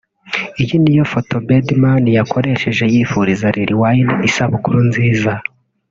Iyi niyo foto Birdman yakoresheje yifuriza Lil Wayne isabukuru nziza